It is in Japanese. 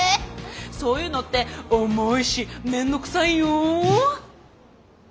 そういうのって重いし面倒くさいよ。